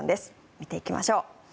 見ていきましょう。